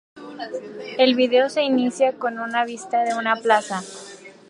El video se inicia con una vista de una plaza.